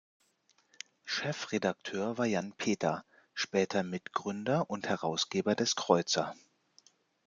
Chefredakteur war Jan Peter, später Mitgründer und Herausgeber des kreuzer.